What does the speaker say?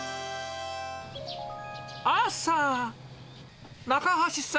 朝。